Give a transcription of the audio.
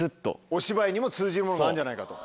お芝居にも通じるものがあるんじゃないかと。